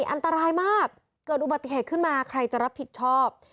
อันตรายมากเกิดอุบัติเหตุขึ้นมาใครจะรับผิดชอบ